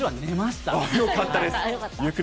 よかったです。